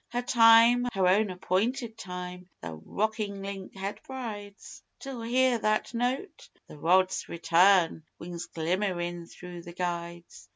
Her time, her own appointed time, the rocking link head bides, Till hear that note? the rod's return whings glimmerin' through the guides.